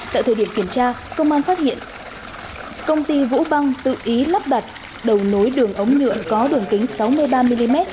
tại thời điểm kiểm tra công an phát hiện công ty vũ băng tự ý lắp đặt đầu nối đường ống nhựa có đường kính sáu mươi ba mm